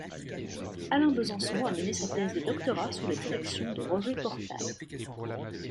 Alain Besançon a mené sa thèse de doctorat sous la direction de Roger Portal.